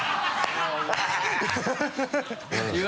ハハハ